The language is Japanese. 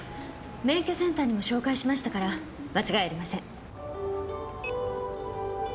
免許センターにも照会しましたから間違いありません。